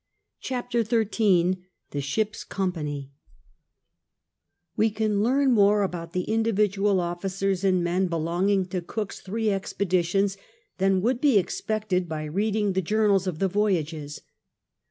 CHAPTER XTIT TIIK ship's company We can learn more about the individual officers and men belonging to Cook's three expeditions than would be expected by reading the journals of the ' voyages.